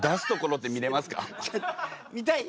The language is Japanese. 見たい？